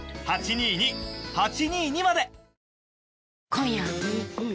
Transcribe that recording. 今夜はん